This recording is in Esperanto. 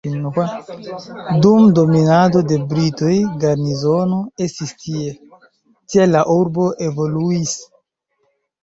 Dum dominado de britoj garnizono estis tie, tial la urbo evoluis.